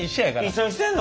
一緒にしてんの？